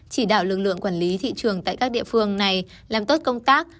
chỉ đạo lực lượng quản lý thị trường tại các địa phương này làm tốt công tác